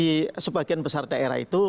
di sebagian besar daerah itu